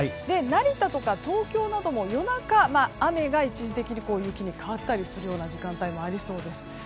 成田とか東京なども夜中、雨が一時的に雪に変わったりする時間帯もありそうです。